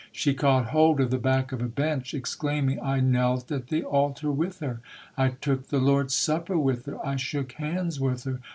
She caught hold of the back of a bench, ex claiming, "I knelt at the altar with her. I took the Lord's Supper with her. I shook hands with SOJOURNER TRUTH [ 219 her!